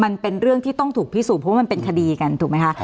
มันเป็นเรื่องที่ต้องถูกพิสูจนเพราะว่ามันเป็นคดีกันถูกไหมคะ